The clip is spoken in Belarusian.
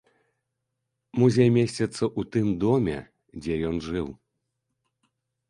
Музей месціцца ў тым доме, дзе ён жыў.